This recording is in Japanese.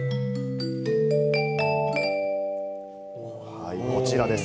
はい、こちらです。